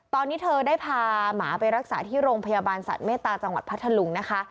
ตอนนี้เธอได้พาหมาไปรักษาที่โรงพยาบาลสัตว์เมตตาจังหวัดพัทธลุงนะคะ